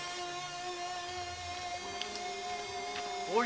・おい